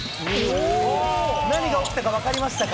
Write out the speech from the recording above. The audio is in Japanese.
何が起きたか分かりましたか？